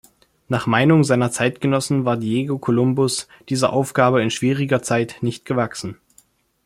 Nach Meinung seiner Zeitgenossen war Diego Kolumbus dieser Aufgabe in schwieriger Zeit nicht gewachsen.